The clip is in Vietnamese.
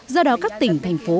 do đó các tỉnh thành phố